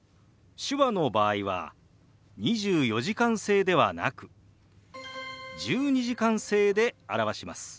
手話の場合は２４時間制ではなく１２時間制で表します。